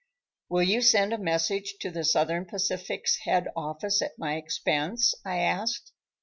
"Will you send a message to the Southern Pacific's head office at my expense?" I asked.